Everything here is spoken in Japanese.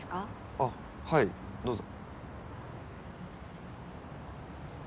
あっはいどうぞ。